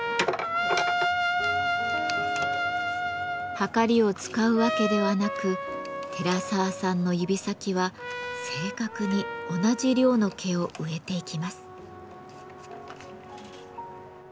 はかりを使うわけではなく寺沢さんの指先は正確に同じ量の毛を植えていきます。